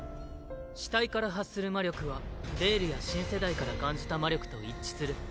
屍体から発する魔力はデールや新世代から感じた魔力と一致する。